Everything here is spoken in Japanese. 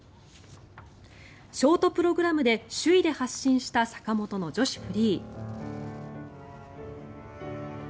ショートプログラムで首位で発進した坂本の女子フリー。